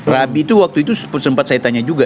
rabi itu waktu itu sempat saya tanya juga